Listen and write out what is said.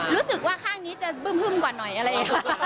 รู้สึกว่าข้างนี้จะบึ้มพึ่มกว่าหน่อยเลย